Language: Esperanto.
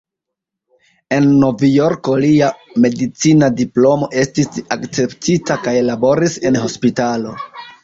En Novjorko lia medicina diplomo estis akceptita kaj laboris en hospitalo.